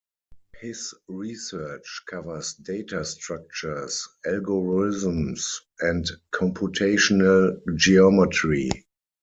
His research covers Data Structures, Algorithms and Computational geometry.